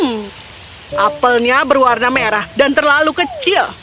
hmm apelnya berwarna merah dan terlalu kecil